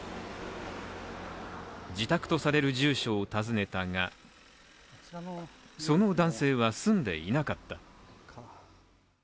自宅とされる住所を訪ねたがその男性は住んでいなかった。